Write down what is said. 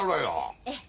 ええ。